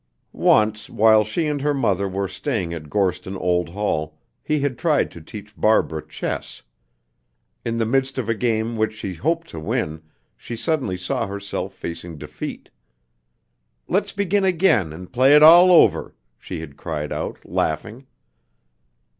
Once, while she and her mother were staying at Gorston Old Hall, he had tried to teach Barbara chess. In the midst of a game which she hoped to win, she suddenly saw herself facing defeat. "Let's begin again, and play it all over!" she had cried out, laughing.